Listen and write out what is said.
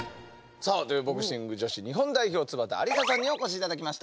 さあというボクシング女子日本代表津端ありささんにお越しいただきました。